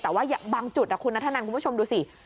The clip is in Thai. แต่ว่าบางจุดคุณนัทธนันคุณผู้ชมดูสิ